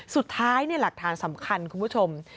สุดท้ายหลักฐานสำคัญคุณผู้ชม